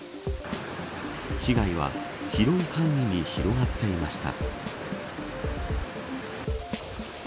被害は広い範囲に広がっていました。